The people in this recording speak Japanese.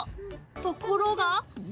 ところが。